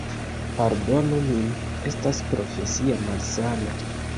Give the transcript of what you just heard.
Pardonu min, estas profesia malsano.